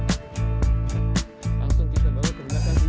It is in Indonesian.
setelah selesai barang yang diperiksa akan diperiksa